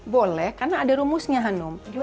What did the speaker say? boleh karena ada rumusnya hanum